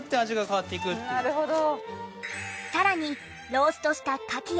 なるほど。